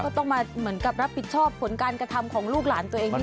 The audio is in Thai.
ต้องมาเหมือนกับรับผิดชอบผลการกระทำของลูกหลานตัวเองด้วย